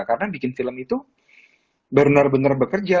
karena bikin film itu benar benar bekerja